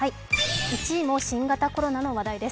１位も新型コロナの話題です。